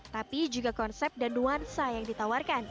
tapi juga konsep dan nuansa yang ditawarkan